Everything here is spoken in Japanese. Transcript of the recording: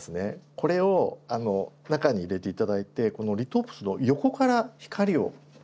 これを中に入れて頂いてこのリトープスの横から光を当ててみて下さい。